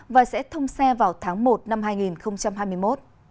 và sẽ thông xe vào tháng một năm hai nghìn hai mươi một